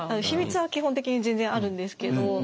秘密は基本的に全然あるんですけど。